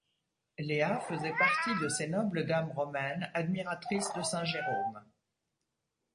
Léa faisait partie de ces nobles dames romaines admiratrices de saint Jérôme.